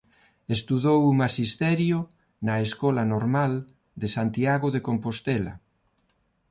Estudou Maxisterio na Escola Normal de Santiago de Compostela.